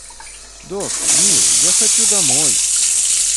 — Доктор, милый, я хочу домой.